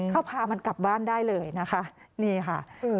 เขาพามันกลับบ้านได้เลยนะคะนี่ค่ะ